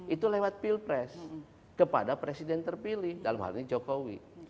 itu lewat pilpres kepada presiden terpilih dalam hal ini jokowi